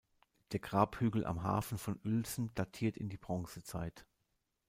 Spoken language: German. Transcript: Der Grabhügel am Hafen von Uelzen datiert in die Bronzezeit.